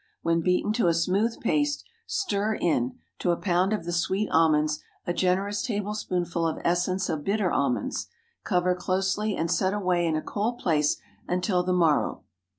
When beaten to a smooth paste, stir in, to a pound of the sweet almonds, a generous tablespoonful of essence of bitter almonds; cover closely, and set away in a cold place until the morrow.